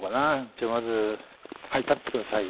じゃあまずはい立って下さい。